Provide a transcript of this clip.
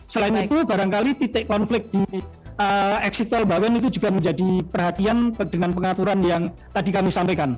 selain itu barangkali titik konflik di eksit tol bawen itu juga menjadi perhatian dengan pengaturan yang tadi kami sampaikan